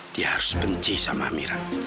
dia harus benci sama amiran